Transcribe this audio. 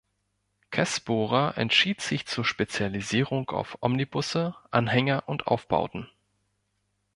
Kässbohrer entschied sich zur Spezialisierung auf Omnibusse, Anhänger und Aufbauten.